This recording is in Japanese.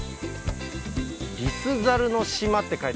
「リスザルの島」って書いてありますね。